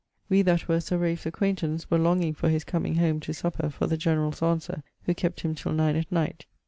We that were Sir Ralph's acquaintance were longing for his coming home to supper for the generall's answer, who kept him till 9 at night.